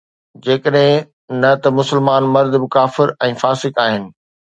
جيڪڏهن نه ته مسلمان مرد به ڪافر ۽ فاسق آهن